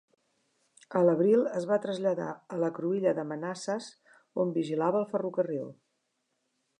A l'abril es va traslladar a la cruïlla de Mannassas, on vigilava el ferrocarril.